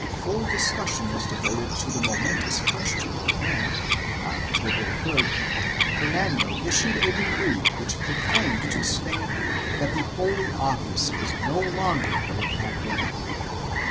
Full discussion was devoted to the momen tous question and, on October 3d, Fernando issued a decree which proclaimed to Spain that the Holy Office was no longer what it had been.